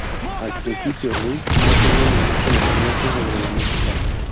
Al principio, Brett no tenía ningún conocimiento sobre la música.